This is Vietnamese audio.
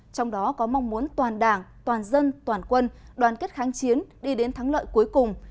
trong đó có mong muốn toàn đảng toàn dân toàn quân đoàn kết kháng chiến đi đến thắng lợi cuối cùng